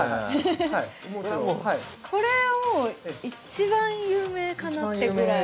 これはもう一番有名かなってぐらい。